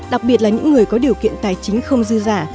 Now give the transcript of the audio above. đặc biệt là những người có điều kiện tài chính không dư giả